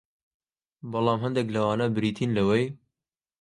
بەڵام هەندێک لەوانە بریتین لەوەی